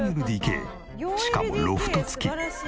しかもロフト付き。